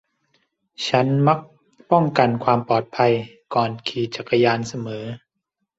ฉันมักป้องกันความปลอดภัยก่อนขี่จักรยานเสมอ